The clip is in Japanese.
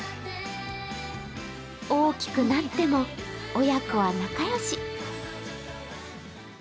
大きくなっても、親子は仲良し。